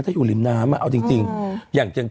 ถ้าอยู่ริมน้ำอ่ะเอาจริงจริง